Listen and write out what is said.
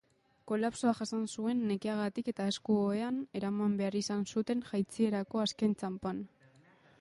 Kolapsoa jasan zuen nekeagatik eta esku-ohean eraman behar izan zuten jaitsierako azken txanpan.